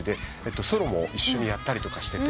ソロも一緒にやったりとかしてて。